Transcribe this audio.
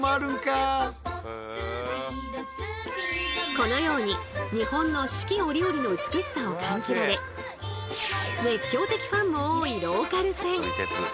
このように日本の四季折々の美しさを感じられ熱狂的ファンも多いローカル線。